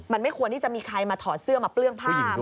มันไม่ควรที่จะมีใครมาถอดเสื้อมาเปลื้องผ้า